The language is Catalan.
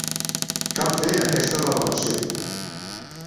Cal fer aquesta revelació.